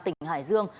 tỉnh hải dương